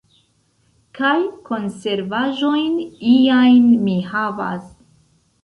Kaj konservaĵojn iajn mi havas.